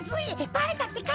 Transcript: バレたってか！